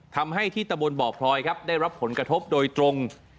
ทำให้ที่ตะบนบ่อพลอยครับได้รับผลกระทบโดยตรง